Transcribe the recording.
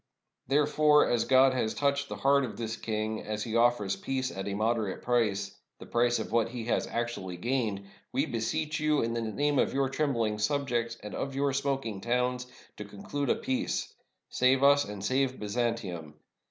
Therefore, as God has touched the heart of this king, as he offers peace at a moderate price — the price of what he has actually gained — we beseech you, in the name of your trem bling subjects, and of your smoking towns, to conclude a peace! Save us and save Byzantium!